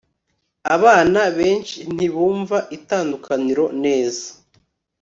abana benshi ntibumva itandukaniro neza